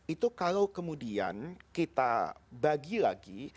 itu kalau kemudian kita bagi lagi